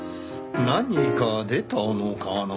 何か出たのかな？